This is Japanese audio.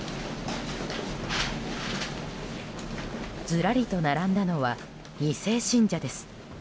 ずらりと並んだのは２世信者です。